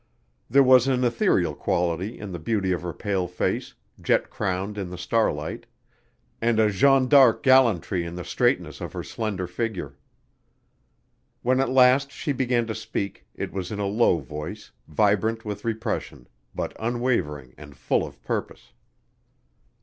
There was an ethereal quality in the beauty of her pale face, jet crowned in the starlight, and a Jeanne d'Arc gallantry in the straightness of her slender figure. When at last she began to speak it was in a low voice, vibrant with repression, but unwavering and full of purpose.